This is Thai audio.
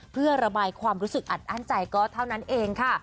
เพื่อระบายความรู้สึกอัดอั้นใจก็เท่านั้นเองค่ะ